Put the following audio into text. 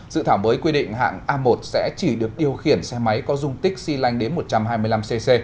dự thảo mới quy định hạng a một sẽ chỉ được điều khiển xe máy có dung tích xy lanh đến một trăm hai mươi năm cc